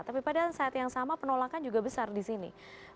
tapi pada saat yang sama penolakan juga besar di sini